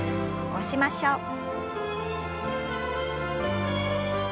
起こしましょう。